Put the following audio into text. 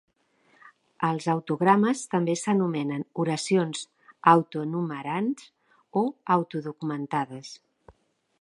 Els autogrames també s'anomenen oracions "auto-enumerants" o "auto-documentades".